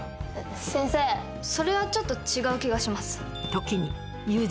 先生それはちょっと違う気がします。